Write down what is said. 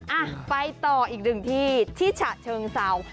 อ่ะไปต่ออีกหนึ่งที่ที่ฉะเชิงเศร้า